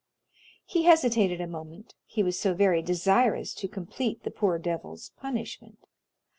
He hesitated a moment, he was so very desirous to complete the poor devil's punishment.